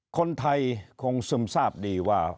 คนไทยคงซึมทราบดีว่า